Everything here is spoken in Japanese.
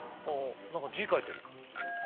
何か字書いてる。